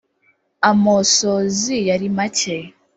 amosozi yari make,